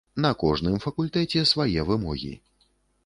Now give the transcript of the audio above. На кожным факультэце свае вымогі.